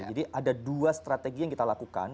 jadi ada dua strategi yang kita lakukan